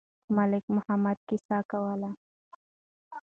ملک محمد قصه کوله.